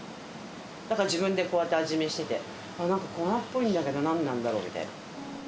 だから自分でこうやって味見してて、なんか粉っぽいんだけど、なんなんだろうみたいな。